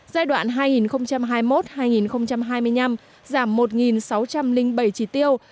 giai đoạn hai nghìn hai mươi một hai nghìn hai mươi năm giảm một sáu trăm linh bảy chỉ tiêu